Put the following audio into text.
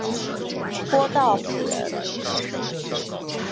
郭道甫人。